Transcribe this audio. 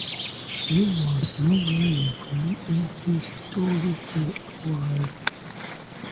There was no longer room in his story for a wife.